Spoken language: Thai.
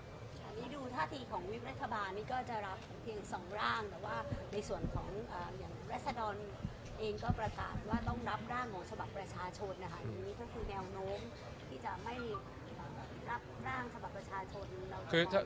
อันนี้ดูท่าทีของวิบรัฐบาลนี่ก็จะรับเพียงสองร่าง